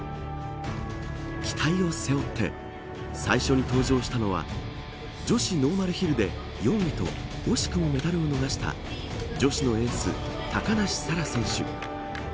期待を背負って最初に登場したのは女子ノーマルヒルで４位と惜しくもメダルを逃した女子のエース、高梨沙羅選手。